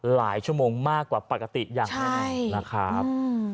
หลายชั่วโมงมากกว่าปกติอย่างแน่นอนนะครับ